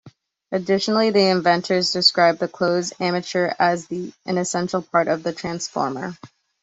Additionally, the inventors described the closed armature as an essential part of the transformer.